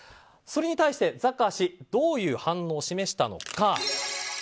それに対してザッカー氏どういう反応を示したのか。